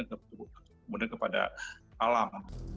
kemudian kepada alam